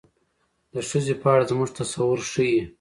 د ښځې په اړه زموږ تصور ښيي.